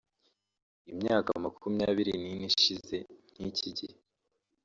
Imyaka makumyabiri n’ine ishize nk’iki gihe